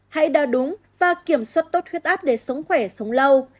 hãy đa đúng và kiểm soát tốt huyết áp để sống khỏe sống lâu